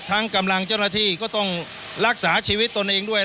กำลังเจ้าหน้าที่ก็ต้องรักษาชีวิตตนเองด้วย